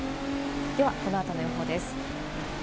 では、この後の予報です。